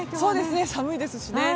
寒いですしね。